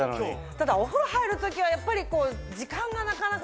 ただお風呂入る時はやっぱり。